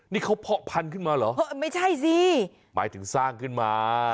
นี่เขาเพาะพันธุ์ขึ้นมาเหรอไม่ใช่สิหมายถึงสร้างขึ้นมา